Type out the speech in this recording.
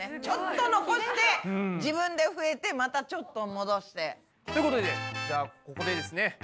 ちょっと残して自分で増えてまたちょっともどして。ということでじゃあここでですね